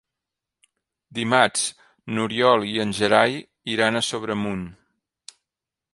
Dimarts n'Oriol i en Gerai iran a Sobremunt.